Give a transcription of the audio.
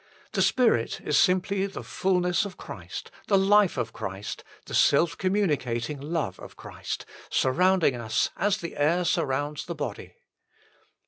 The Spirit is simply the fulness of Christ, the life of Christ, the self communicating love of Christ, surrounding us as the air surrounds the body.